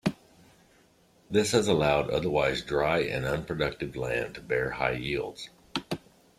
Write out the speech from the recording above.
This has allowed otherwise dry and unproductive land to bear high yields.